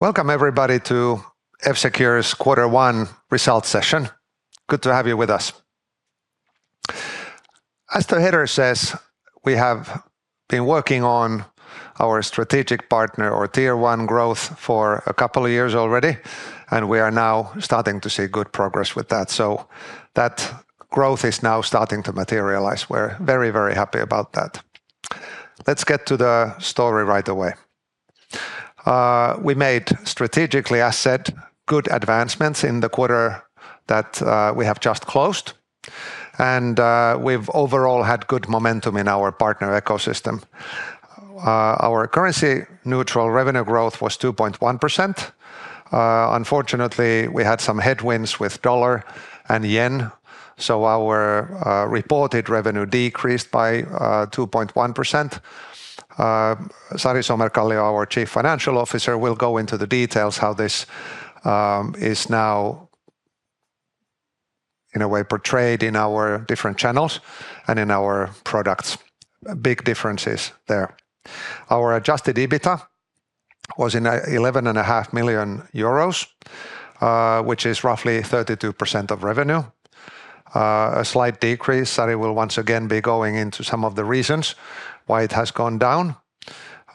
Welcome everyone to F-Secure's quarter one results session. Good to have you with us. As the header says, we have been working on our strategic partner or Tier 1 growth for a couple of years already. We are now starting to see good progress with that. That growth is now starting to materialize. We're very, very happy about that. Let's get to the story right away. We made strategically, as said, good advancements in the quarter that we have just closed. We've overall had good momentum in our partner ecosystem. Our currency neutral revenue growth was 2.1%. Unfortunately, we had some headwinds with dollar and yen. Our reported revenue decreased by 2.1%. Sari Somerkallio, our Chief Financial Officer, will go into the details how this is now in a way portrayed in our different channels and in our products. Big differences there. Our adjusted EBITA was 11.5 million euros, which is roughly 32% of revenue. A slight decrease. Sari will once again be going into some of the reasons why it has gone down.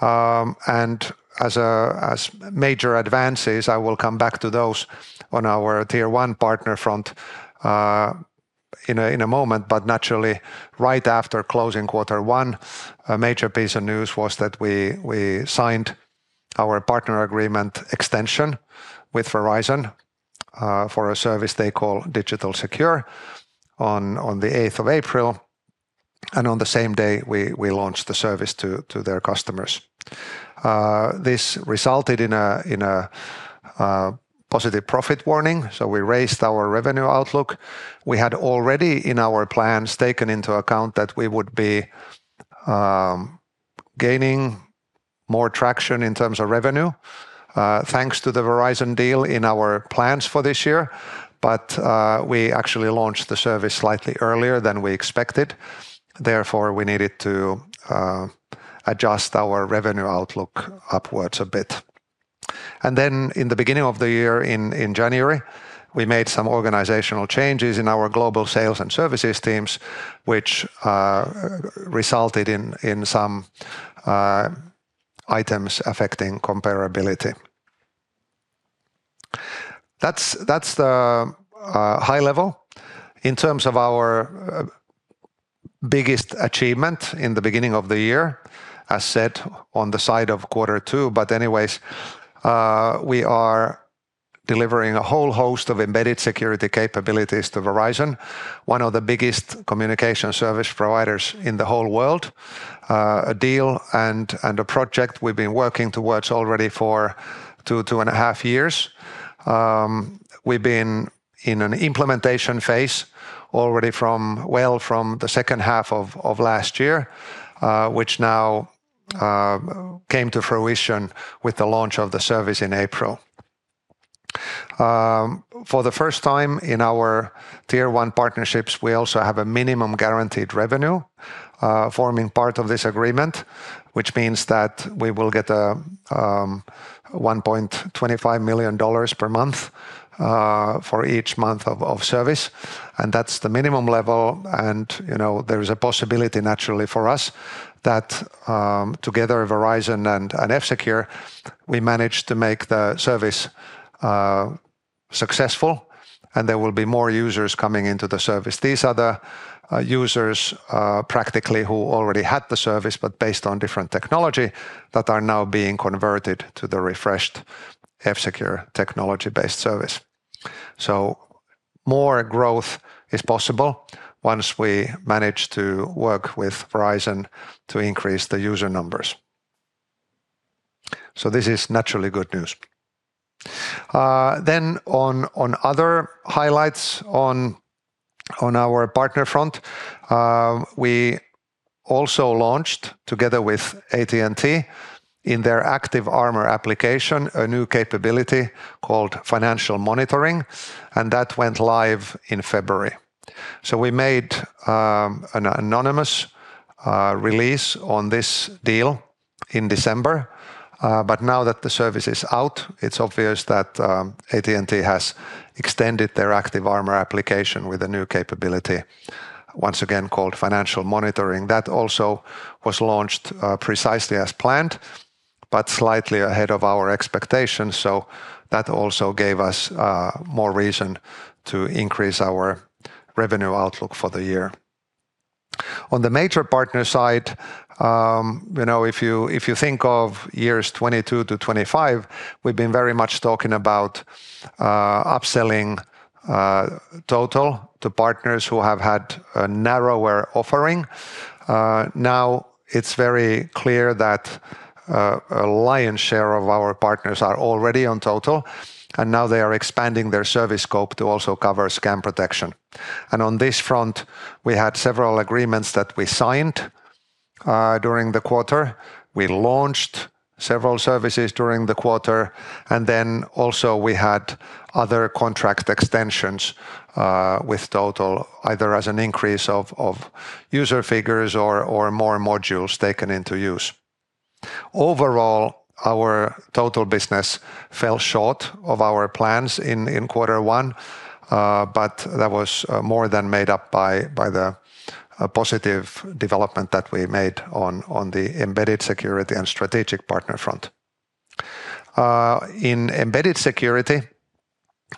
As major advances, I will come back to those on our Tier 1 partner front in a moment. Naturally, right after closing quarter one, a major piece of news was that we signed our partner agreement extension with Verizon for a service they call Digital Secure on the 8th of April, and on the same day we launched the service to their customers. This resulted in a positive profit warning. We raised our revenue outlook. We had already in our plans taken into account that we would be gaining more traction in terms of revenue thanks to the Verizon deal in our plans for this year. We actually launched the service slightly earlier than we expected, therefore we needed to adjust our revenue outlook upwards a bit. In the beginning of the year in January, we made some organizational changes in our global sales and services teams, which resulted in some items affecting comparability. That's the high level in terms of our biggest achievement in the beginning of the year, as said on the side of quarter two. Anyways, we are delivering a whole host of embedded security capabilities to Verizon, one of the biggest communication service providers in the whole world. A deal and a project we've been working towards already for 2.5 years. We've been in an implementation phase already from, well, from the second half of last year, which now came to fruition with the launch of the service in April. For the first time in our Tier 1 partnerships, we also have a minimum guaranteed revenue, forming part of this agreement, which means that we will get a $1.25 million per month for each month of service, and that's the minimum level. You know, there is a possibility naturally for us that, together Verizon and F-Secure, we manage to make the service successful, and there will be more users coming into the service. These are the users practically who already had the service but based on different technology that are now being converted to the refreshed F-Secure technology-based service. More growth is possible once we manage to work with Verizon to increase the user numbers. This is naturally good news. Then on other highlights on our partner front, we also launched together with AT&T in their ActiveArmor application, a new capability called Financial Monitoring, and that went live in February. We made an anonymous release on this deal in December. Now that the service is out, it's obvious that AT&T has extended their ActiveArmor application with a new capability, once again called Financial Monitoring. That also was launched precisely as planned, but slightly ahead of our expectations, that also gave us more reason to increase our revenue outlook for the year. On the major partner side, you know, if you, if you think of years 2022 to 2025, we've been very much talking about upselling Total to partners who have had a narrower offering. Now it's very clear that a lion's share of our partners are already on Total, now they are expanding their service scope to also cover scam protection. On this front, we had several agreements that we signed during the quarter. We launched several services during the quarter, and then also we had other contract extensions with Total, either as an increase of user figures or more modules taken into use. Overall, our Total business fell short of our plans in quarter one, but that was more than made up by the positive development that we made on the embedded security and strategic partner front. In embedded security,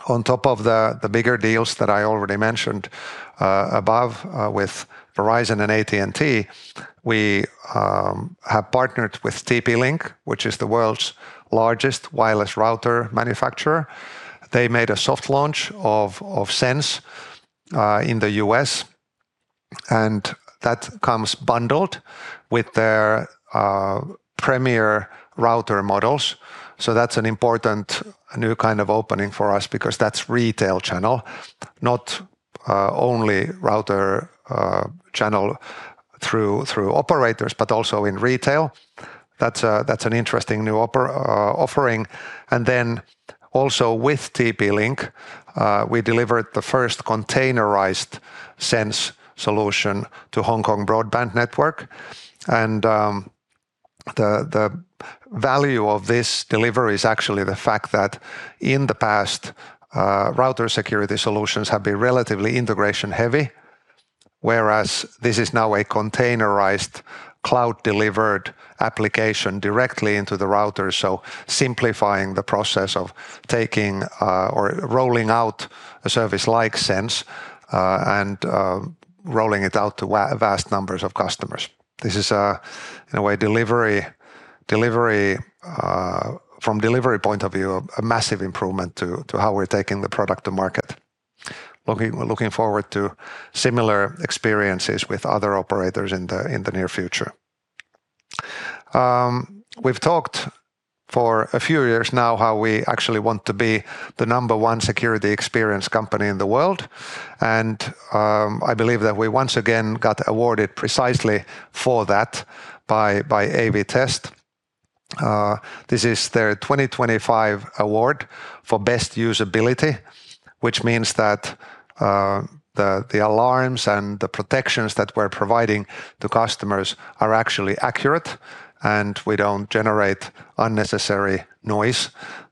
on top of the bigger deals that I already mentioned above with Verizon and AT&T, we have partnered with TP-Link, which is the world's largest wireless router manufacturer. They made a soft launch of Sense in the U.S. That comes bundled with their premier router models. That's an important new kind of opening for us because that's retail channel, not only router channel through operators but also in retail. That's an interesting new offering. Then also with TP-Link, we delivered the first containerized Sense solution to Hong Kong Broadband Network. The value of this delivery is actually the fact that in the past, router security solutions have been relatively integration heavy, whereas this is now a containerized cloud delivered application directly into the router, simplifying the process of taking or rolling out a service like Sense, and rolling it out to vast numbers of customers. This is in a way delivery from delivery point of view, a massive improvement to how we're taking the product to market. Looking forward to similar experiences with other operators in the near future. We've talked for a few years now how we actually want to be the number one security experience company in the world, I believe that we once again got awarded precisely for that by AV-TEST. This is their 2025 award for Best Usability, which means that the alarms and the protections that we're providing to customers are actually accurate, and we don't generate unnecessary noise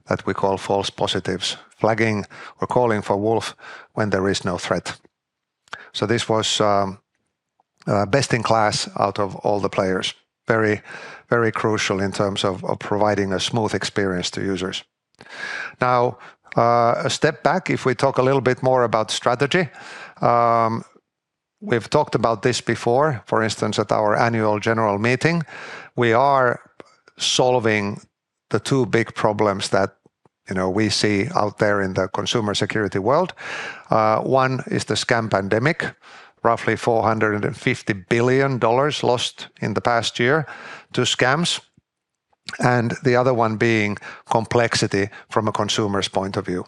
that we call false positives, flagging or calling for wolf when there is no threat. This was best in class out of all the players. Very crucial in terms of providing a smooth experience to users. A step back, if we talk a little bit more about strategy, we've talked about this before, for instance, at our annual general meeting. We are solving the two big problems that, you know, we see out there in the consumer security world. One is the scam pandemic, roughly EUR 450 billion lost in the past year to scams, and the other one being complexity from a consumer's point of view.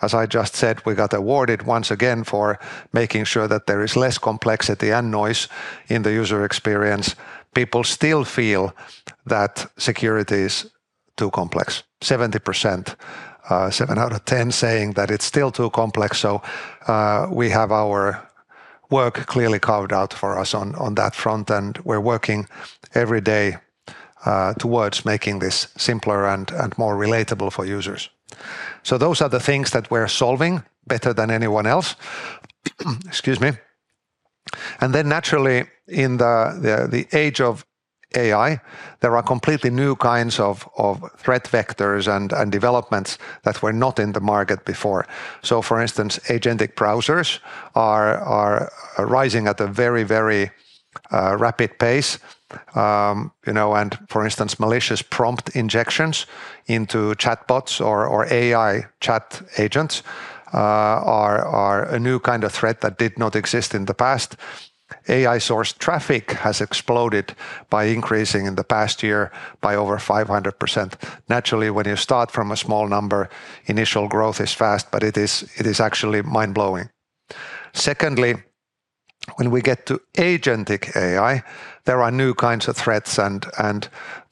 As I just said, we got awarded once again for making sure that there is less complexity and noise in the user experience. People still feel that security is too complex. 70%, seven out of 10 saying that it's still too complex, we have our work clearly carved out for us on that front, and we're working every day towards making this simpler and more relatable for users. Those are the things that we're solving better than anyone else. Excuse me. Naturally, in the age of AI, there are completely new kinds of threat vectors and developments that were not in the market before. For instance, agentic browsers are rising at a very rapid pace. You know, for instance, malicious prompt injections into chatbots or AI chat agents are a new kind of threat that did not exist in the past. AI source traffic has exploded by increasing in the past year by over 500%. Naturally, when you start from a small number, initial growth is fast, but it is actually mind-blowing. Secondly, when we get to Agentic AI, there are new kinds of threats, and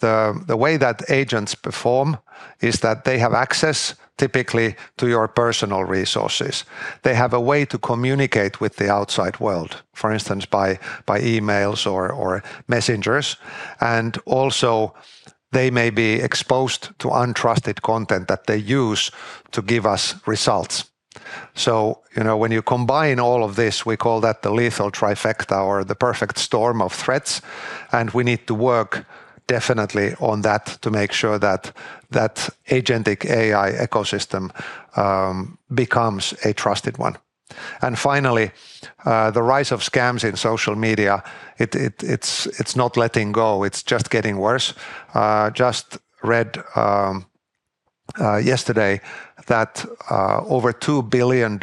the way that agents perform is that they have access typically to your personal resources. They have a way to communicate with the outside world, for instance, by emails or messengers. Also they may be exposed to untrusted content that they use to give us results. You know, when you combine all of this, we call that the lethal trifecta or the perfect storm of threats, and we need to work definitely on that to make sure that Agentic AI ecosystem becomes a trusted one. Finally, the rise of scams in social media, it's not letting go. It's just getting worse. Just read yesterday that over $2 billion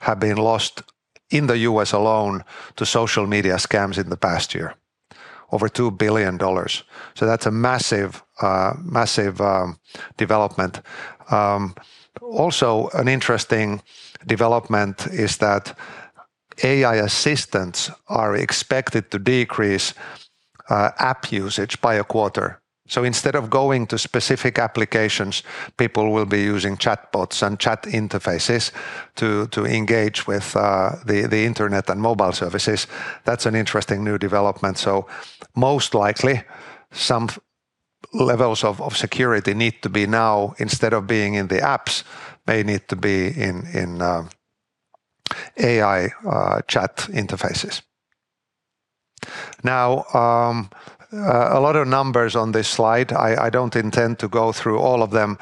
have been lost in the U.S. alone to social media scams in the past year. Over $2 billion. That's a massive development. Also an interesting development is that AI assistants are expected to decrease app usage by a quarter. Instead of going to specific applications, people will be using chatbots and chat interfaces to engage with the internet and mobile services. That's an interesting new development. Most likely some levels of security need to be now, instead of being in the apps, may need to be in AI chat interfaces. A lot of numbers on this slide, I don't intend to go through all of them,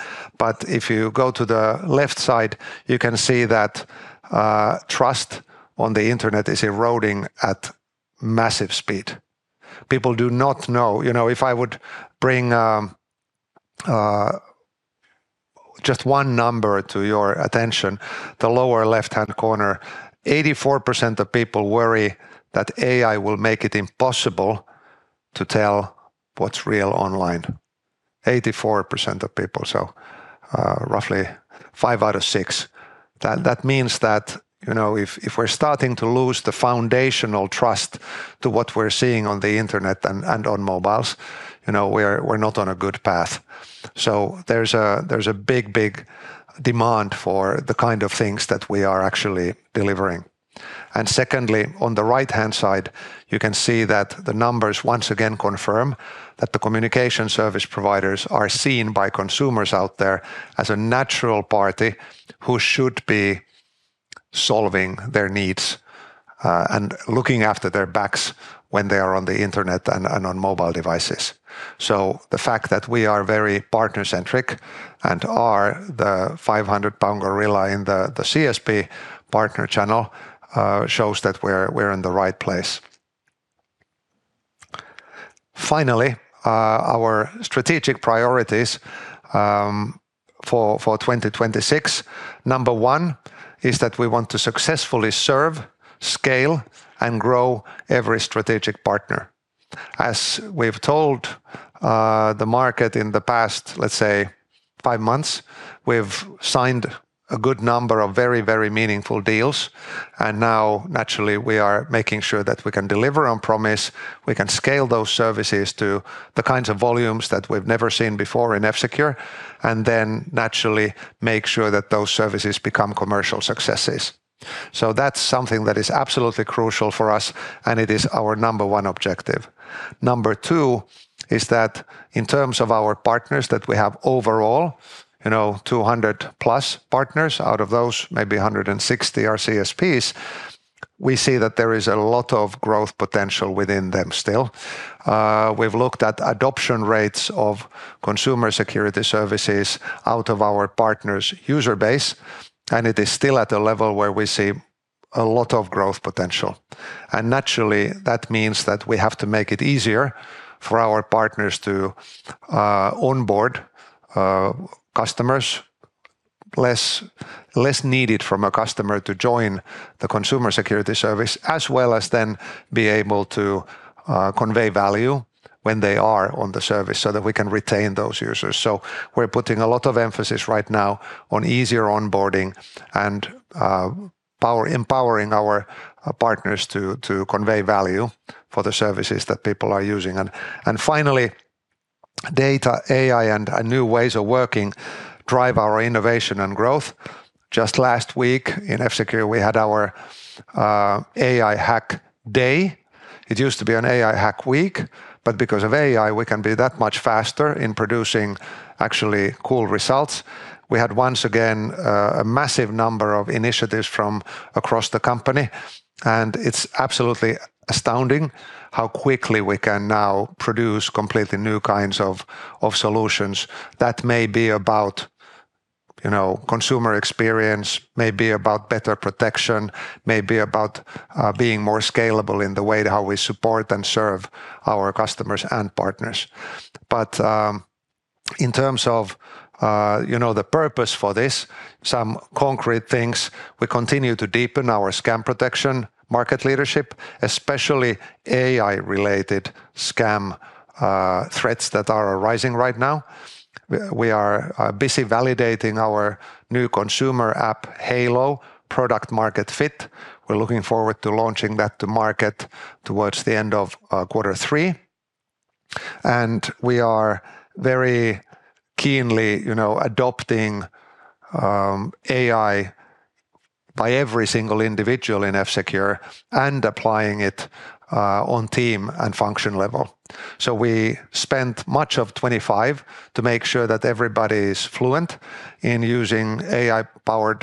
if you go to the left side, you can see that trust on the internet is eroding at massive speed. People do not know. You know, if I would bring just one number to your attention, the lower left-hand corner, 84% of people worry that AI will make it impossible to tell what's real online. 84% of people, roughly five out of six. That means that, you know, if we're starting to lose the foundational trust to what we're seeing on the internet and on mobiles, you know, we're not on a good path. There's a big, big demand for the kind of things that we are actually delivering. Secondly, on the right-hand side, you can see that the numbers once again confirm that the communication service providers are seen by consumers out there as a natural party who should be solving their needs and looking after their backs when they are on the internet and on mobile devices. The fact that we are very partner-centric and are the 500 lbs gorilla in the CSP partner channel shows that we're in the right place. Finally, our strategic priorities for 2026. Number one is that we want to successfully serve, scale, and grow every strategic partner. We've told the market in the past, let's say, five months, we've signed a good number of very, very meaningful deals. Now naturally we are making sure that we can deliver on promise, we can scale those services to the kinds of volumes that we've never seen before in F-Secure. Then naturally make sure that those services become commercial successes. That's something that is absolutely crucial for us. It is our number one objective. Number two is that in terms of our partners that we have overall, you know, 200+ partners, out of those maybe 160 are CSPs, we see that there is a lot of growth potential within them still. We've looked at adoption rates of consumer security services out of our partners' user base. It is still at a level where we see a lot of growth potential. Naturally, that means that we have to make it easier for our partners to onboard customers. Less needed from a customer to join the consumer security service, as well as then be able to convey value when they are on the service so that we can retain those users. We're putting a lot of emphasis right now on easier onboarding and empowering our partners to convey value for the services that people are using. Finally, data, AI, and new ways of working drive our innovation and growth. Just last week in F-Secure, we had our AI Hack Day. It used to be an AI Hack Week, but because of AI, we can be that much faster in producing actually cool results. We had once again a massive number of initiatives from across the company. It's absolutely astounding how quickly we can now produce completely new kinds of solutions that may be about, you know, consumer experience, may be about better protection, may be about being more scalable in the way how we support and serve our customers and partners. In terms of, you know, the purpose for this, some concrete things, we continue to deepen our scam protection market leadership, especially AI-related scam threats that are arising right now. We are busy validating our new consumer app, Halo, product market fit. We're looking forward to launching that to market towards the end of quarter three. We are very keenly, you know, adopting AI by every single individual in F-Secure and applying it on team and function level. We spent much of 2025 to make sure that everybody is fluent in using AI-powered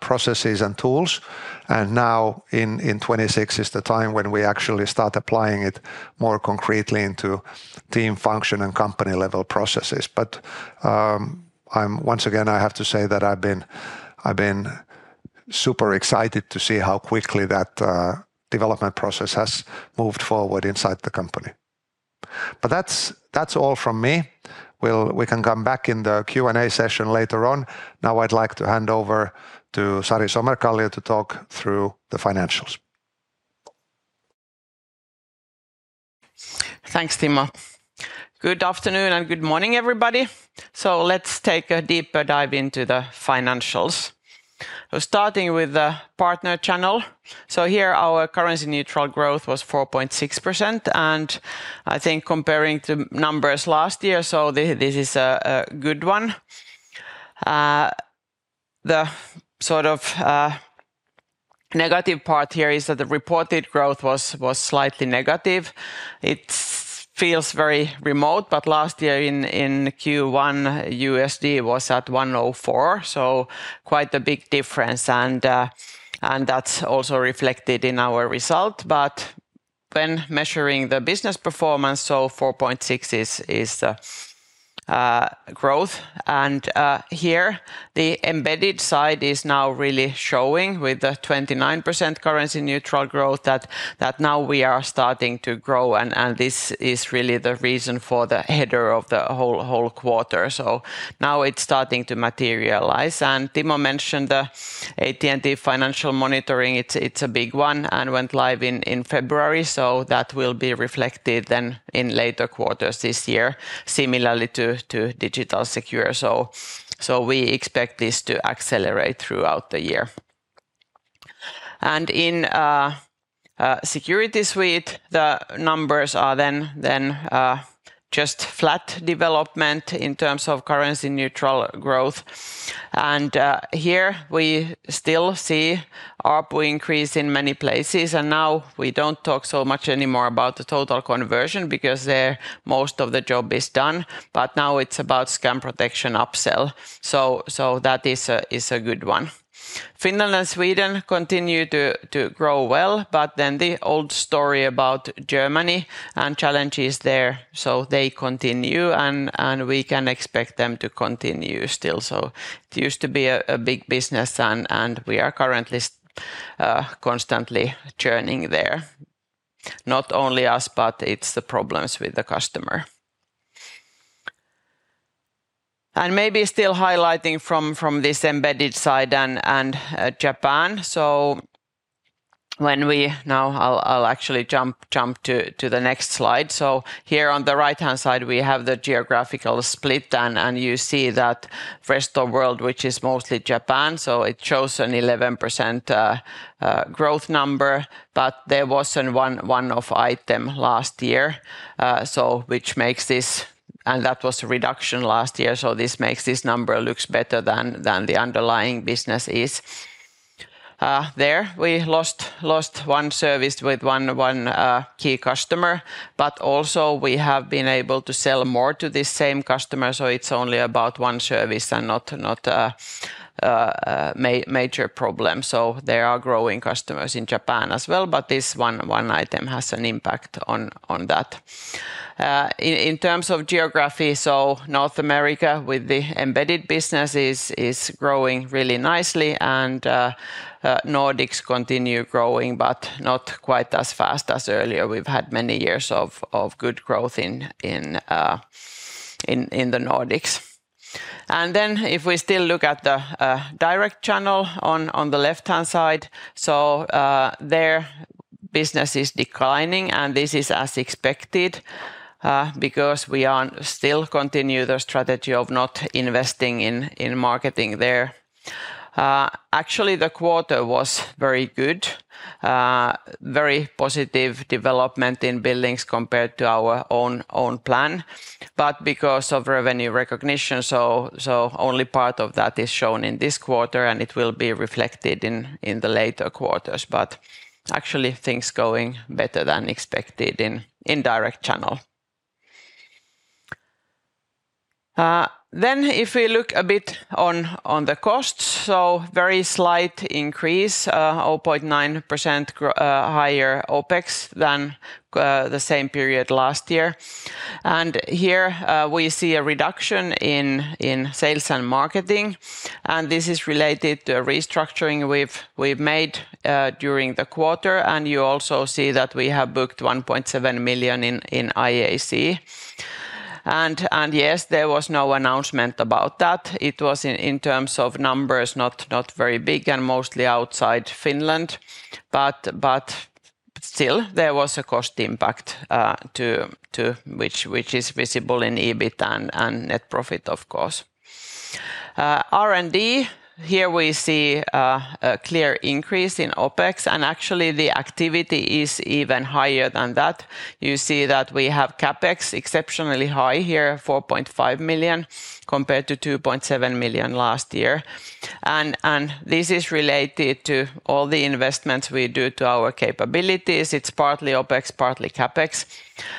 processes and tools, and now in 2026 is the time when we actually start applying it more concretely into team function and company-level processes. Once again, I have to say that I've been super excited to see how quickly that development process has moved forward inside the company. That's all from me. We can come back in the Q&A session later on. Now I'd like to hand over to Sari Somerkallio to talk through the financials. Thanks, Timo. Good afternoon and good morning, everybody. Let's take a deeper dive into the financials. Starting with the partner channel. Here our currency neutral growth was 4.6%, and I think comparing to numbers last year, this is a good one. The sort of negative part here is that the reported growth was slightly negative. It feels very remote, but last year in Q1, USD was at 104, quite a big difference. That's also reflected in our result. When measuring the business performance, 4.6% is the growth. Here the embedded side is now really showing with the 29% currency neutral growth that now we are starting to grow and this is really the reason for the header of the whole quarter. Now it's starting to materialize. Timo mentioned the AT&T Financial Monitoring. It's a big one, and went live in February, so that will be reflected then in later quarters this year similarly to Digital Secure. We expect this to accelerate throughout the year. In Security Suite, the numbers are then just flat development in terms of currency neutral growth. Here we still see ARPU increase in many places. Now we don't talk so much anymore about the total conversion because there most of the job is done, but now it's about scam protection upsell. That is a good one. Finland and Sweden continue to grow well, but then the old story about Germany and challenges there, they continue and we can expect them to continue still. It used to be a big business and we are constantly churning there. Not only us, but it's the problems with the customer. Maybe still highlighting from this embedded side and Japan. Now I'll actually jump to the next slide. Here on the right-hand side we have the geographical split and you see that rest of world, which is mostly Japan, it shows an 11% growth number, but there was a one-off item last year. That was a reduction last year, this makes this number look better than the underlying business is. There we lost one service with one key customer, but also we have been able to sell more to this same customer, so it's only about one service and not a major problem. There are growing customers in Japan as well, but this one item has an impact on that. In terms of geography, so North America with the embedded business is growing really nicely and Nordics continue growing, but not quite as fast as earlier. We've had many years of good growth in the Nordics. If we still look at the direct channel on the left-hand side, so their business is declining, and this is as expected, because we are still continue the strategy of not investing in marketing there. Actually, the quarter was very good. Very positive development in billings compared to our own plan. Because of revenue recognition, only part of that is shown in this quarter and it will be reflected in the later quarters. Actually things going better than expected in indirect channel. If we look a bit on the costs, very slight increase, 0.9% higher OpEx than the same period last year. Here, we see a reduction in sales and marketing, and this is related to a restructuring we've made during the quarter. You also see that we have booked 1.7 million in IAC. Yes, there was no announcement about that. It was in terms of numbers, not very big and mostly outside Finland, but still there was a cost impact to which is visible in EBIT and net profit of course. R&D, here we see a clear increase in OpEx. Actually the activity is even higher than that. You see that we have CapEx exceptionally high here, 4.5 million compared to 2.7 million last year. This is related to all the investments we do to our capabilities. It's partly OpEx, partly CapEx.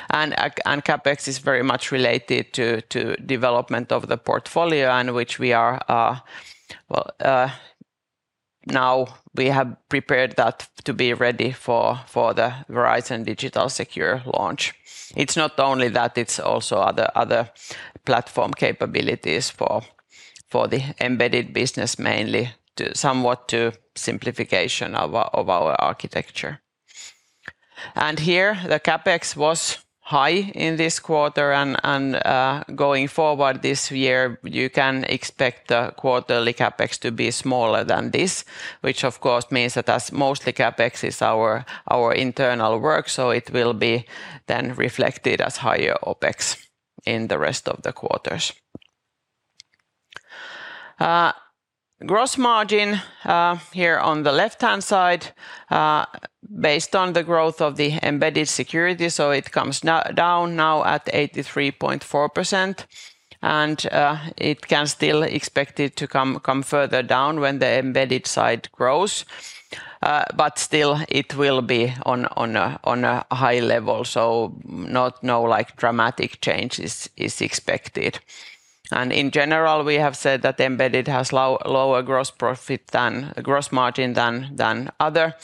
CapEx is very much related to development of the portfolio and which we are now we have prepared that to be ready for the Verizon Digital Secure launch. It's not only that, it's also other platform capabilities for the embedded business mainly to somewhat to simplification of our architecture. Here the CapEx was high in this quarter and going forward this year, you can expect the quarterly CapEx to be smaller than this, which of course means that as mostly CapEx is our internal work, so it will be then reflected as higher OpEx in the rest of the quarters. Gross margin, here on the left-hand side, Based on the growth of the embedded security, so it comes down now at 83.4%, and it can still expect it to come further down when the embedded side grows. But still it will be on a high level, so not no, like, dramatic change is expected. In general, we have said that embedded has lower gross margin than other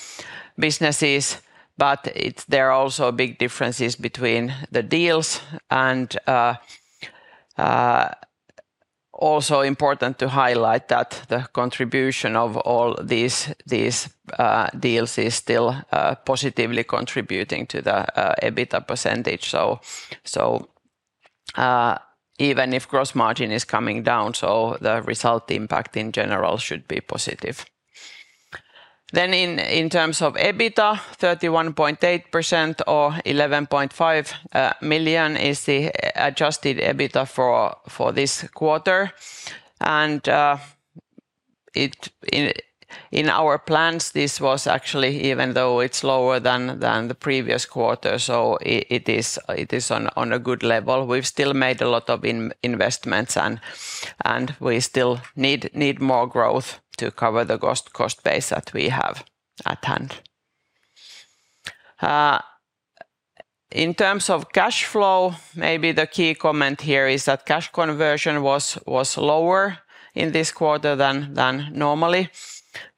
businesses, but there are also big differences between the deals, and also important to highlight that the contribution of all these deals is still positively contributing to the EBITA percentage. Even if gross margin is coming down, the result impact in general should be positive. In terms of EBITA, 31.8% or 11.5 million is the adjusted EBITA for this quarter. It in our plans this was actually, even though it's lower than the previous quarter, it is on a good level. We've still made a lot of investments, and we still need more growth to cover the cost base that we have at hand. In terms of cash flow, maybe the key comment here is that cash conversion was lower in this quarter than normally.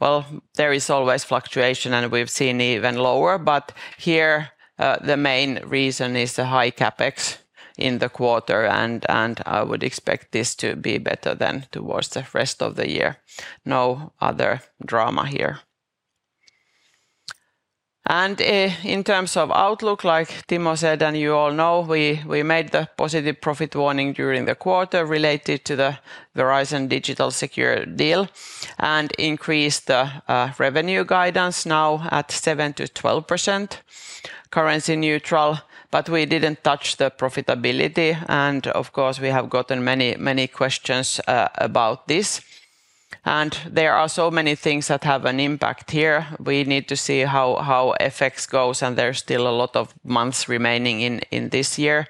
Well, there is always fluctuation, and we've seen even lower, but here, the main reason is the high CapEx in the quarter, and I would expect this to be better than towards the rest of the year. No other drama here. In terms of outlook, like Timo said, and you all know, we made the positive profit warning during the quarter related to the Verizon Digital Secure deal and increased the revenue guidance now at 7%-12% currency neutral, but we didn't touch the profitability. Of course, we have gotten many, many questions about this. There are so many things that have an impact here. We need to see how FX goes, and there's still a lot of months remaining in this year.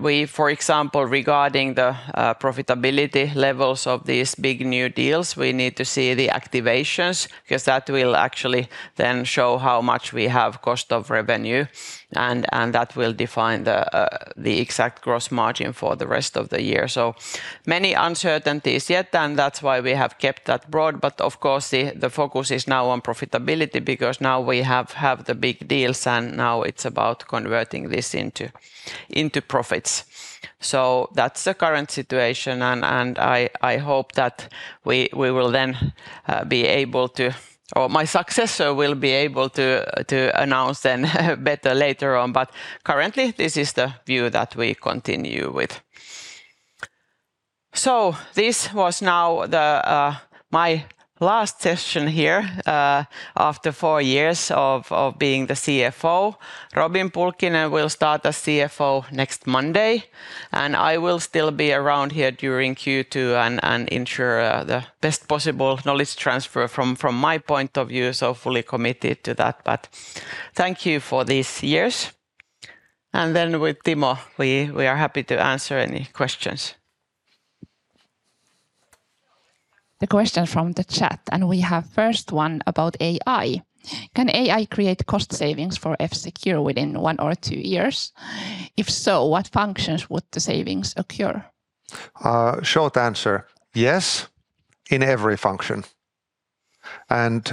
We, for example, regarding the profitability levels of these big new deals, we need to see the activations because that will actually then show how much we have cost of revenue, and that will define the exact gross margin for the rest of the year. Many uncertainties yet, and that's why we have kept that broad. Of course, the focus is now on profitability because now we have the big deals, now it's about converting this into profits. That's the current situation and I hope that we will then be able to, or my successor will be able to announce then better later on. Currently, this is the view that we continue with. This was now my last session here after four years of being the CFO. Robin Pulkkinen will start as CFO next Monday, and I will still be around here during Q2 and ensure the best possible knowledge transfer from my point of view, so fully committed to that. Thank you for these years. With Timo, we are happy to answer any questions. The question from the chat. We have first one about AI. Can AI create cost savings for F-Secure within one or two years? If so, what functions would the savings occur? Short answer, yes, in every function.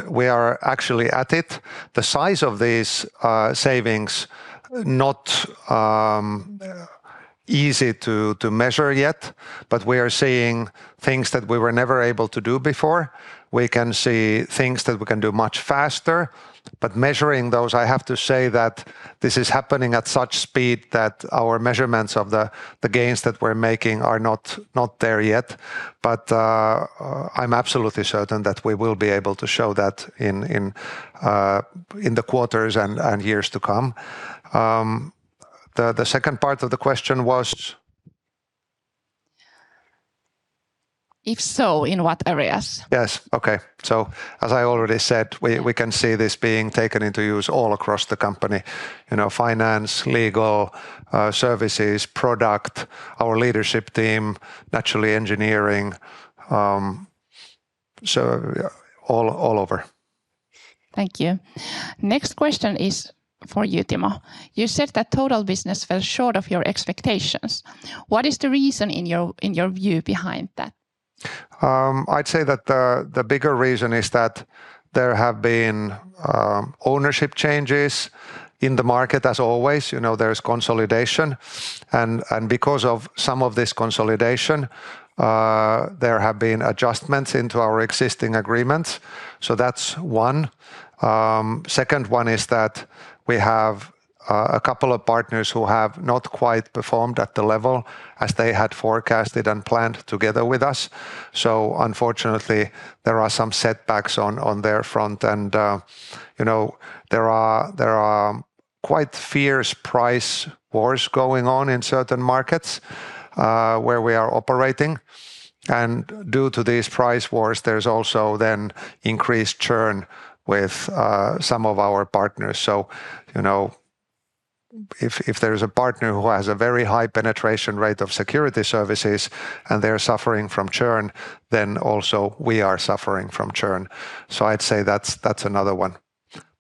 We are actually at it. The size of these savings not easy to measure yet, but we are seeing things that we were never able to do before. We can see things that we can do much faster. Measuring those, I have to say that this is happening at such speed that our measurements of the gains that we're making are not there yet. I'm absolutely certain that we will be able to show that in the quarters and years to come. The second part of the question was? If so, in what areas? Yes. Okay. As I already said, we can see this being taken into use all across the company. You know, finance, legal, services, product, our leadership team, naturally engineering. All over. Thank you. Next question is for you, Timo. You said that Total business fell short of your expectations. What is the reason in your view behind that? I'd say that the bigger reason is that there have been ownership changes in the market as always. You know, there's consolidation. Because of some of this consolidation, there have been adjustments into our existing agreements. That's one. Second one is that we have a couple of partners who have not quite performed at the level as they had forecasted and planned together with us. Unfortunately, there are some setbacks on their front and, you know, there are quite fierce price wars going on in certain markets where we are operating. Due to these price wars, there's also then increased churn with some of our partners. You know, if there's a partner who has a very high penetration rate of security services and they're suffering from churn, then also we are suffering from churn. I'd say that's another one.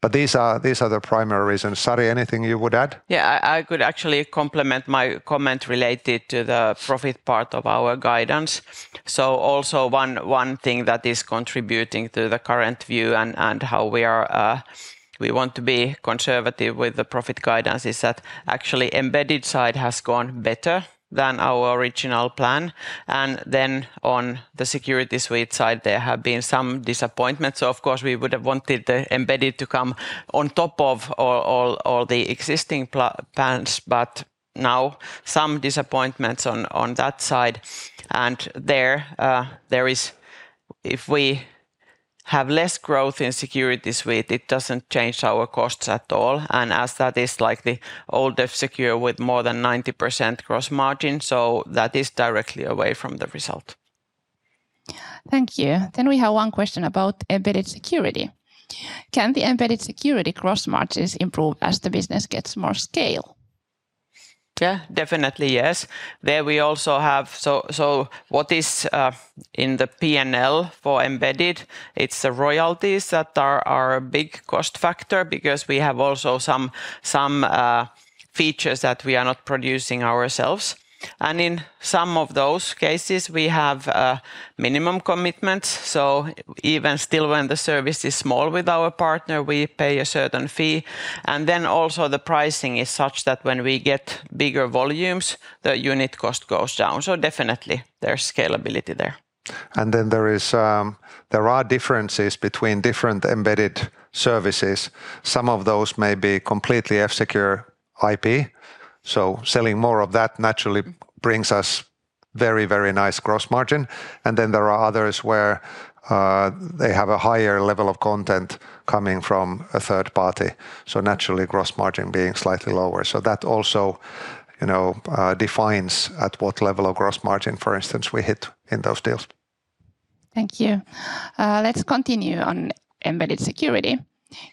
These are the primary reasons. Sari, anything you would add? Yeah, I could actually complement my comment related to the profit part of our guidance. Also one thing that is contributing to the current view and how we are, we want to be conservative with the profit guidance is that actually embedded side has gone better than our original plan. Then on the Security Suite side, there have been some disappointments. Of course, we would have wanted the embedded to come on top of all the existing plans, but now some disappointments on that side. If we have less growth in Security Suite, it doesn't change our costs at all. As that is like the old F-Secure with more than 90% gross margin, that is directly away from the result. Thank you. We have one question about embedded security. Can the embedded security gross margins improve as the business gets more scale? Yeah. Definitely yes. There we also have. What is in the P&L for embedded, it's the royalties that are a big cost factor because we have also some features that we are not producing ourselves. In some of those cases, we have minimum commitments. Even still when the service is small with our partner, we pay a certain fee. The pricing is such that when we get bigger volumes, the unit cost goes down. Definitely there's scalability there. There are differences between different embedded services. Some of those may be completely F-Secure IP, so selling more of that naturally brings us very, very nice gross margin. There are others where they have a higher level of content coming from a third party, so naturally gross margin being slightly lower. That also, you know, defines at what level of gross margin, for instance, we hit in those deals. Thank you. Let's continue on embedded security.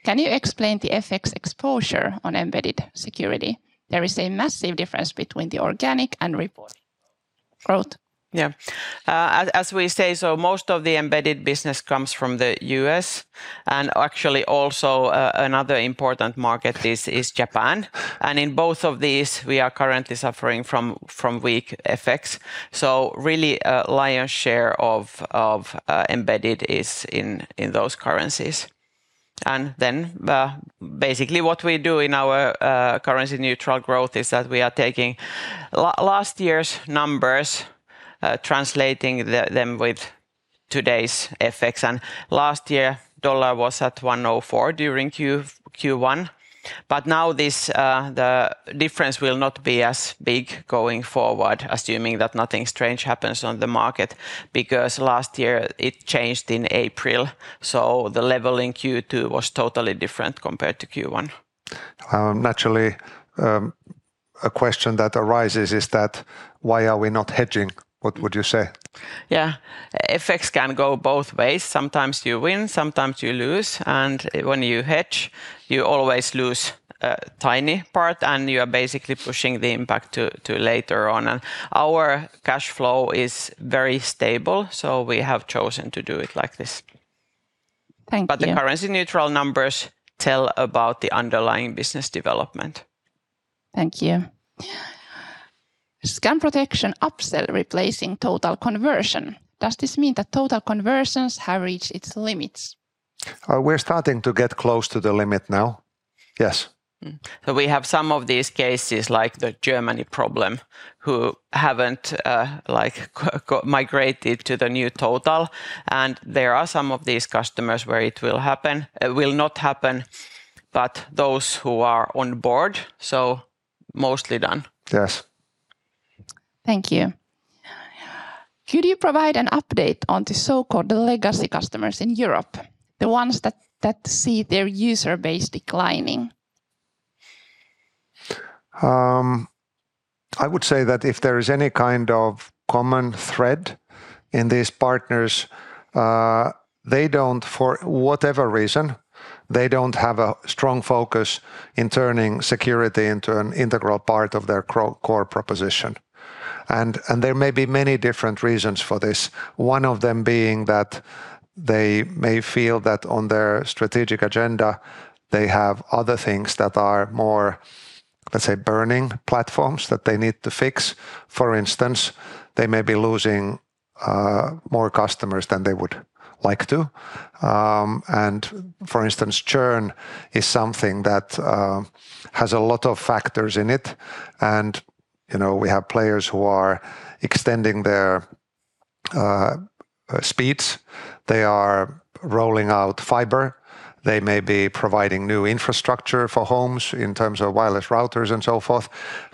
Can you explain the FX exposure on embedded security? There is a massive difference between the organic and reported growth. As we say, most of the embedded business comes from the U.S. and another important market is Japan. In both of these, we are currently suffering from weak FX. Lion's share of embedded is in those currencies. What we do in our currency neutral growth is we are taking last year's numbers, translating them with today's FX. Last year, USD was at 1.04 during Q1, the difference will not be as big going forward, assuming that nothing strange happens on the market, because last year it changed in April, the level in Q2 was totally different compared to Q1. Naturally, a question that arises is that, why are we not hedging? What would you say? Yeah. FX can go both ways. Sometimes you win, sometimes you lose. When you hedge, you always lose a tiny part, and you are basically pushing the impact to later on. Our cash flow is very stable, so we have chosen to do it like this. Thank you. The currency neutral numbers tell about the underlying business development. Thank you. Scam protection upsell replacing Total conversion. Does this mean that Total conversions have reached its limits? We're starting to get close to the limit now. Yes. We have some of these cases, like the Germany problem, who haven't migrated to the new Total. There are some of these customers where it will not happen, but those who are on board, mostly done. Yes. Thank you. Could you provide an update on the so-called legacy customers in Europe, the ones that see their user base declining? I would say that if there is any kind of common thread in these partners, they don't, for whatever reason, they don't have a strong focus in turning security into an integral part of their core proposition. There may be many different reasons for this, one of them being that they may feel that on their strategic agenda, they have other things that are more, let's say, burning platforms that they need to fix. For instance, they may be losing more customers than they would like to. For instance, churn is something that has a lot of factors in it. You know, we have players who are extending their speeds. They are rolling out fiber. They may be providing new infrastructure for homes in terms of wireless routers and so forth.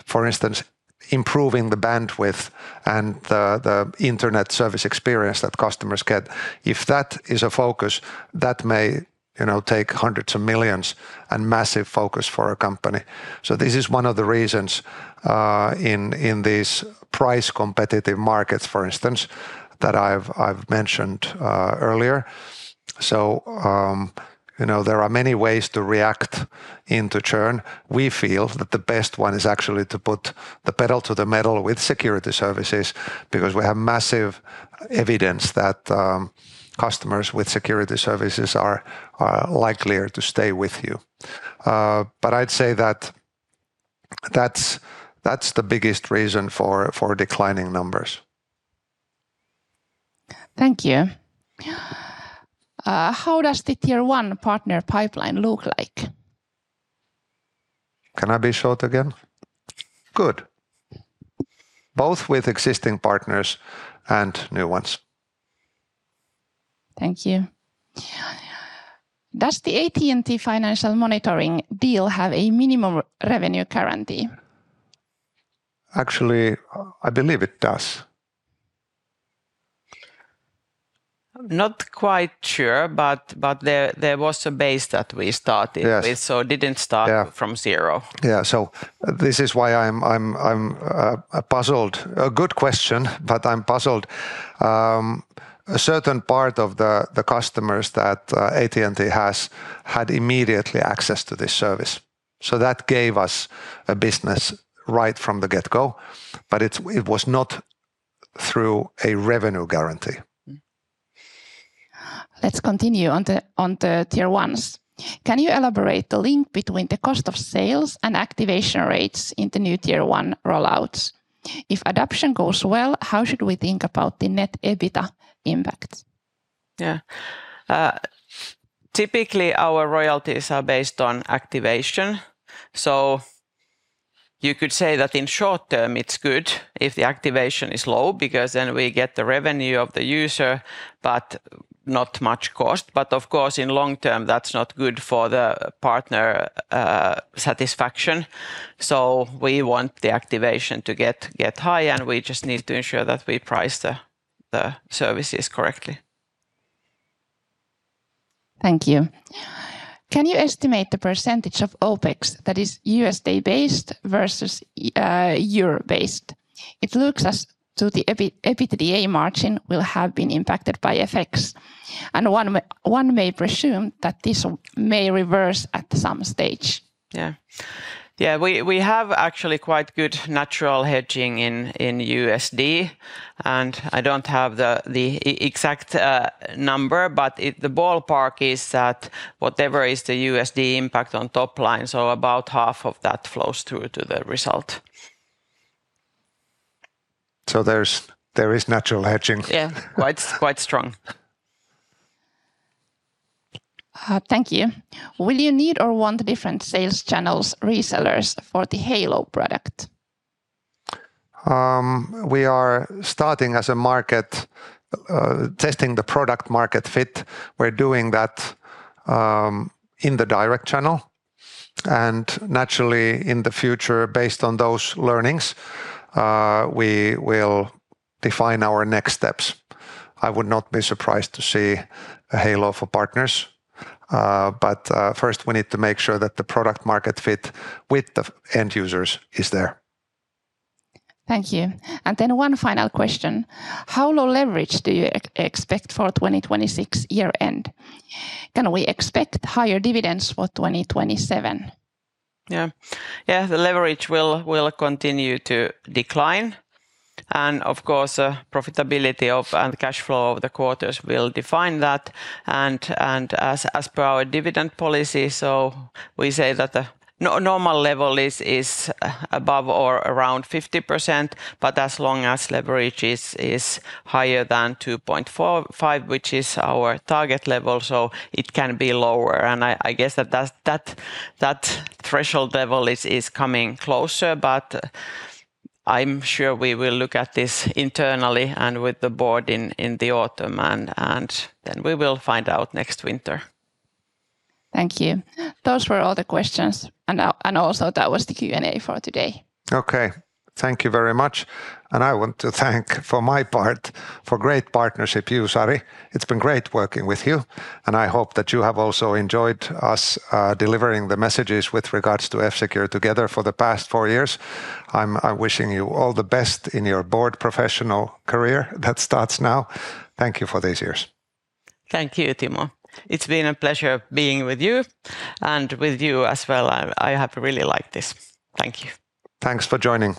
For instance, improving the bandwidth and the internet service experience that customers get. If that is a focus, that may, you know, take hundreds of millions and massive focus for a company. This is one of the reasons in this price competitive markets, for instance, that I've mentioned earlier. You know, there are many ways to react into churn. We feel that the best one is actually to put the pedal to the metal with security services because we have massive evidence that customers with security services are likelier to stay with you. I'd say that that's the biggest reason for declining numbers. Thank you. How does the Tier 1 partner pipeline look like? Can I be short again? Good. Both with existing partners and new ones. Thank you. Does the AT&T Financial Monitoring deal have a minimum revenue guarantee? Actually, I believe it does. Not quite sure, but there was a base that we started. Yes... With, so it didn't from zero. This is why I'm puzzled. A good question, but I'm puzzled. A certain part of the customers that AT&T has had immediately access to this service, so that gave us a business right from the get-go, but it was not through a revenue guarantee. Let's continue on the Tier 1s. Can you elaborate the link between the cost of sales and activation rates in the new Tier 1 rollouts? If adoption goes well, how should we think about the net EBITA impact? Yeah. Typically our royalties are based on activation, so you could say that in short term it's good if the activation is low because then we get the revenue of the user, but not much cost. Of course, in long term, that's not good for the partner satisfaction. We want the activation to get high, and we just need to ensure that we price the services correctly. Thank you. Can you estimate the percentage of OpEx that is U.S. based versus Euro based? It looks as to the EBITDA margin will have been impacted by FX, and one may presume that this may reverse at some stage. Yeah. We have actually quite good natural hedging in USD, and I don't have the exact number, but the ballpark is that whatever is the USD impact on top line, so about half of that flows through to the result. There is natural hedging. Yeah. Quite strong. Thank you. Will you need or want different sales channels, resellers for the Halo product? We are starting as a market, testing the product market fit. We're doing that in the direct channel. Naturally, in the future, based on those learnings, we will define our next steps. I would not be surprised to see a Halo for partners. First we need to make sure that the product market fit with the end users is there. Thank you. One final question. How low leverage do you expect for 2026 year-end? Can we expect higher dividends for 2027? Yeah, the leverage will continue to decline, and of course, profitability and cash flow of the quarters will define that. As per our dividend policy, we say that the normal level is above or around 50%, but as long as leverage is higher than 2.45%, which is our target level, it can be lower. I guess that threshold level is coming closer, I'm sure we will look at this internally and with the board in the autumn, then we will find out next winter. Thank you. Those were all the questions. Also that was the Q&A for today. Okay. Thank you very much. I want to thank for my part for great partnership, you, Sari. It's been great working with you, and I hope that you have also enjoyed us delivering the messages with regards to F-Secure together for the past four years. I'm wishing you all the best in your board professional career that starts now. Thank you for these years. Thank you, Timo. It's been a pleasure being with you and with you as well. I have really liked this. Thank you. Thanks for joining.